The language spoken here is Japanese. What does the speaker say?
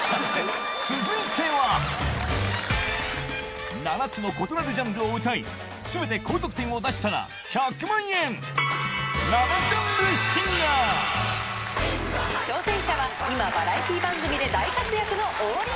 続いては７つの異なるジャンルを歌い全て高得点を出したら１００万円挑戦者は今バラエティー番組で大活躍の。